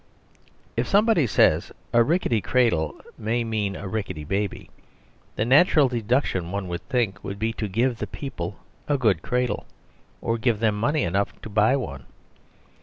If somebody says: "A rickety cradle may mean a rickety baby," the natural deduction, one would think, would be to give the people a good cradle, or give them money enough to buy one.